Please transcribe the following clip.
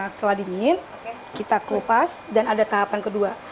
setelah dingin kita kelupas dan ada tahapan kedua